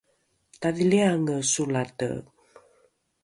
tadhiliange solate